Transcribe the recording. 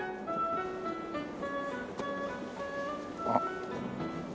あっ。